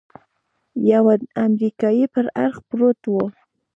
يوه امريکايي پر اړخ پروت و.